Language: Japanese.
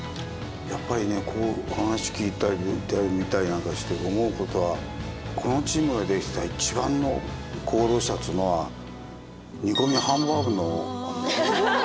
やっぱりねこう話聞いたりＶＴＲ見たりなんかして思う事はこのチームができた一番の功労者っつうのは煮込みハンバーグの。